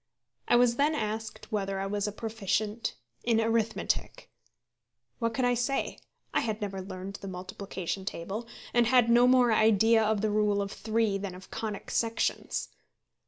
I was then asked whether I was a proficient in arithmetic. What could I say? I had never learned the multiplication table, and had no more idea of the rule of three than of conic sections.